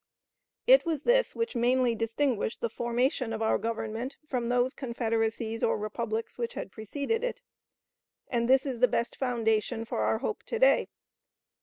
It was this which mainly distinguished the formation of our Government from those confederacies or republics which had preceded it; and this is the best foundation for our hope to day.